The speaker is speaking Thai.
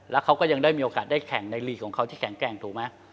แล้วเขาก็ยังได้มีโอกาสได้แข่งในลีกของเขาที่แข็งแกร่งถูกไหม